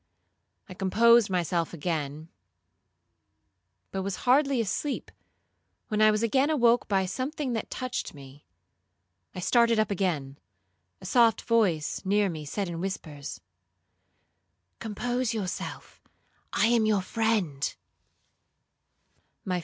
I composed myself again, but was hardly asleep, when I was again awoke by something that touched me. I started up again; a soft voice near me said in whispers, 'Compose yourself; I am your friend.'